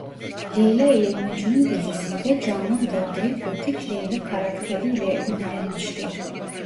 Leyla ile Mecnun dizisinde canlandırdığı Gotik Leyla karakteri ile ünlenmiştir.